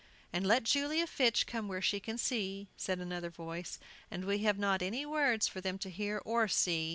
"And let Julia Fitch come where she can see," said another voice. "And we have not any words for them to hear or see!"